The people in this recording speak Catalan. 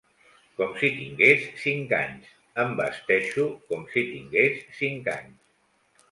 Com si tingués cinc anys, em vesteixo com si tingués cinc anys.